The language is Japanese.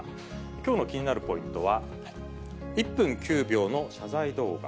きょうの気になるポイントは、１分９秒の謝罪動画。